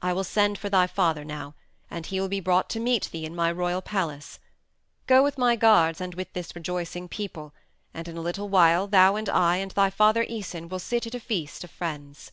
I will send for thy father now, and he will be brought to meet thee in my royal palace. Go with my guards and with this rejoicing people, and in a little while thou and I and thy father Æson will sit at a feast of friends."